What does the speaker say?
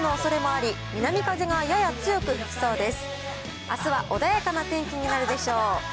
あすは穏やかな天気になるでしょう。